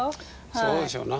そうでしょうな。